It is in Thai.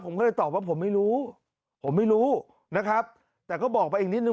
ผมก็เลยตอบว่าผมไม่รู้ผมไม่รู้นะครับแต่ก็บอกไปอีกนิดนึ